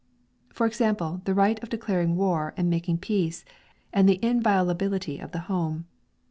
for example the right of declaring war and making peace, and the inviolability of the home.